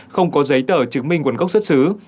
không có giấy tờ chứng minh nguồn gốc xuất xứ